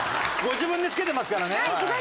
自分でつけてますからね。